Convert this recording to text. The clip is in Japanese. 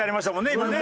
今ね。